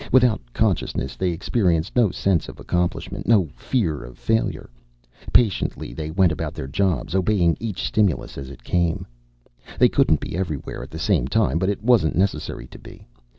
Without consciousness, they experienced no sense of accomplishment, no fear of failure. Patiently they went about their jobs, obeying each stimulus as it came. They couldn't be everywhere at the same time, but it wasn't necessary to be.